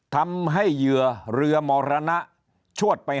ทำให้เหยื่อเรือมรณะชวดไป๕๐๐๐๐